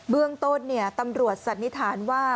เบื้องต้นตำรวจสันนิษฐานว่า